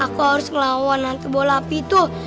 pokoknya aku harus ngelawan hantu bola api tuh